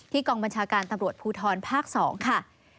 กองบัญชาการตำรวจภูทรภาค๒ค่ะ